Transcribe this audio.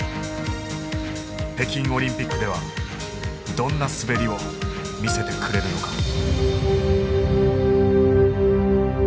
北京オリンピックではどんな滑りを見せてくれるのか。